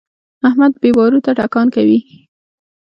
احمد بې باروتو ټکان کوي.